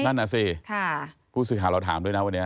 นั่นอ่ะสิผู้ศึกษาเราถามด้วยนะวันนี้